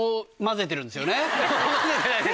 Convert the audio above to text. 混ぜてないです。